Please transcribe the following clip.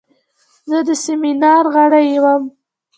زه د سیمینار غړی وم.